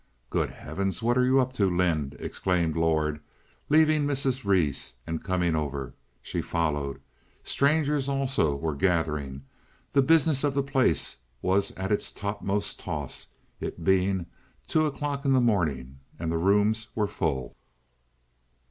"Good heavens, what are you up to, Lynde?" exclaimed Lord, leaving Mrs. Rhees and coming over. She followed. Strangers also were gathering. The business of the place was at its topmost toss—it being two o'clock in the morning—and the rooms were full.